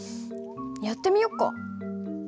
やってみよっか。